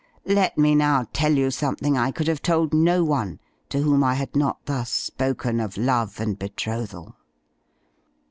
Let me now tell you something I cotdd have told no one to whom I had not thus spoken of love and betrothal.